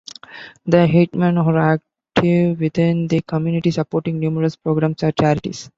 The Hitmen are active within the community, supporting numerous programs and charities.